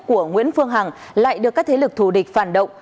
của nguyễn phương hằng lại được các thế lực thù địch phản động